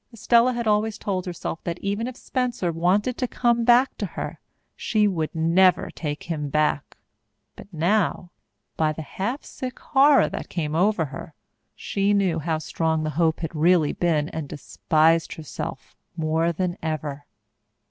Estella had always told herself that even if Spencer wanted to come back to her she would never take him back, but now, by the half sick horror that came over her, she knew how strong the hope had really been and despised herself more than ever.